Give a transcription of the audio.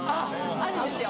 あるんですよ